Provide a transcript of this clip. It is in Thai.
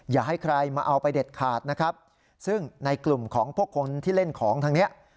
อย่าให้ใครมาเอาไปเด็ดขาดนะครับซึ่งในกลุ่มของพวกคนที่เล่นของทางนี้